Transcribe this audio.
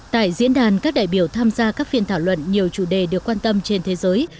tại diễn đàn các đại biểu tham gia các phiên thảo luận nhiều chủ đề được quan tâm trên thế giới